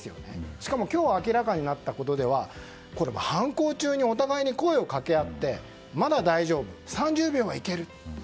しかも今日明らかになったことでは犯行中にお互い声を掛け合ってまだ大丈夫、３０秒はいけると。